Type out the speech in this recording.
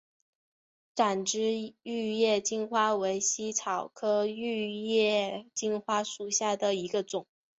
展枝玉叶金花为茜草科玉叶金花属下的一个种。